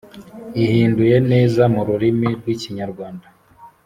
ihinduye neza mu rurimi rw Ikinyarwanda